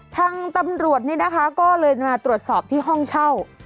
ทางตำรวจนี่นะคะก็เลยมาตรวจสอบที่ห้องเช่า